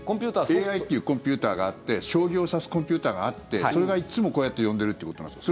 ＡＩというコンピューターがあって将棋を指すコンピューターがあってそれがいつもこうやって読んでるっていうことなんですか？